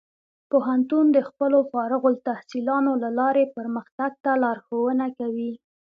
پوهنتون د خپلو فارغ التحصیلانو له لارې پرمختګ ته لارښوونه کوي.